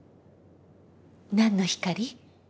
何の光？